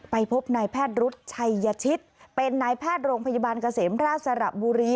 พบนายแพทย์รุษชัยยชิตเป็นนายแพทย์โรงพยาบาลเกษมราชสระบุรี